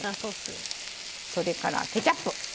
それからケチャップ。